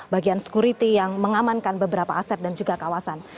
bagian security yang mengamankan beberapa aset dan juga kawasan